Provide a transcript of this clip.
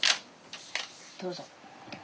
どうぞ。